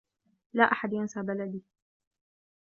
لا أحد ينسى بلدي.